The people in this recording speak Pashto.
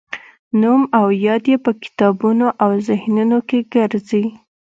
نوم او یاد یې په کتابونو او ذهنونو کې ګرځي.